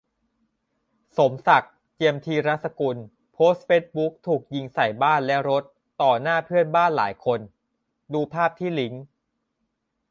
สมศักดิ์ เจียมธีรสกุล โพสต์เฟซบุ๊ก ถูกยิงใส่บ้านและรถ ต่อหน้าเพื่อนบ้านหลายคน - ดูภาพที่ลิงก์